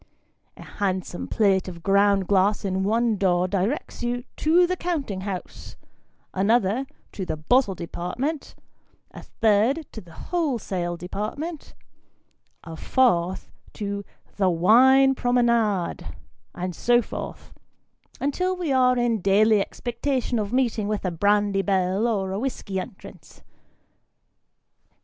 A handsome plate of ground glass in one door directs you " To the Counting house ;" another to the "Bottle Department;" a third to the "Wholesale Department ;" a fourth, to " The Wine Promenade ;" and so forth, until wo are in daily expectation of meeting with a " Brandy Bell," or a " Whiskey Entrance."